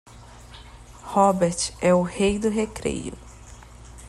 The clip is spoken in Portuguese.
Robert é o rei do recreio.